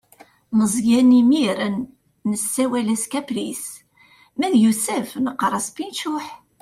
Meẓyan imir-n nessawal-as kapris, ma yusef neqqaṛ-as pinčuḥ.